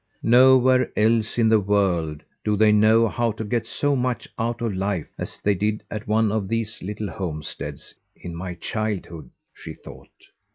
"Nowhere else in the world do they know how to get so much out of life as they did at one of these little homesteads in my childhood!" she thought.